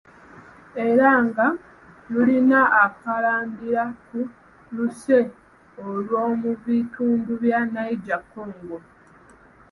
"Era nga lulina akalandira ku luse olw’omu bitundu bya ""Niger-Congo""."